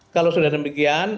kalau sudah demikian